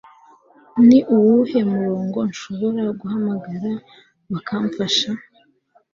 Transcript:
Ni uwuhe murongo nshobora guhamagara bakamfasha